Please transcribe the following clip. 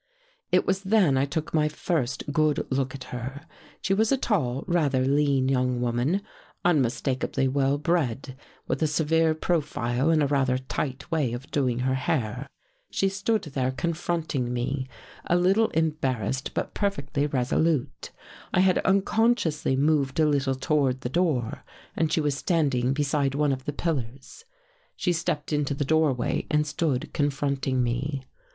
It was then I took my first good look at her. She was a tall, rather lean young woman, unmistakably well bred, with a severe profile and a rather tight way of doing her hair. " She stood there confronting me, a little embar 175 THE GHOST GIRL rassed, but perfectly resolute. I had unconsciously moved a little toward the door and was standing beside one of the pillars. She stepped into the doorway and stood confronting me.